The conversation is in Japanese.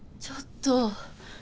ちょっと！